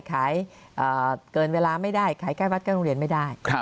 ขายเกินเวลาไม่ได้ขายใกล้วัดใกล้โรงเรียนไม่ได้